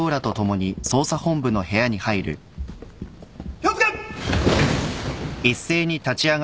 気を付け。